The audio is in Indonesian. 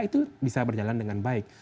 itu bisa berjalan dengan baik